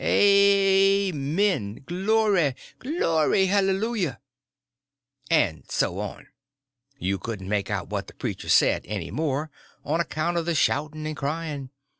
(a a men! glory, glory hallelujah!) And so on. You couldn't make out what the preacher said any more, on account of the shouting and crying.